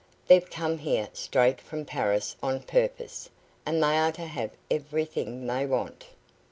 They've come here straight from Paris on purpose, and they are to have everything they want."